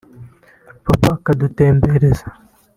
Papa akadutembereza